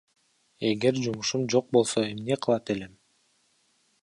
Эгер жумушум жок болсо эмне кылат элем?